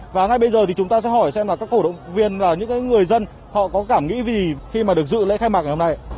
và ngay bây giờ thì chúng ta sẽ hỏi xem là các cổ động viên là những người dân họ có cảm nghĩ vì khi mà được dự lễ khai mạc ngày hôm nay